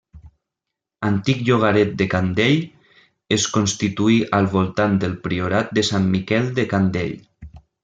Antic llogaret de Candell es constituí al voltant del priorat de Sant Miquel de Candell.